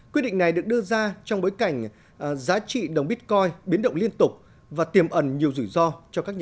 quyết định này được đưa ra trong bối cảnh giá trị đồng bitcoin biến động liên tục và tiềm ẩn nhiều rủi ro